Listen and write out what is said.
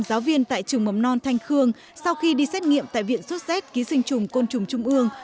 giáo viên tại trường mầm non thanh khương sau khi đi xét nghiệm tại viện sốt xét ký sinh trùng côn trùng trung ương